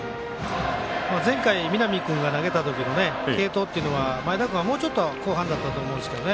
前回、南君が投げたときの継投っていうのは前田君は、もうちょっと後半だったと思うんですよね。